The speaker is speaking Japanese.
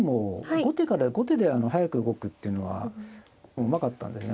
後手から後手で早く動くっていうのはうまかったんですよね。